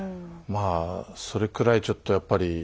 まあそれくらいちょっとやっぱり。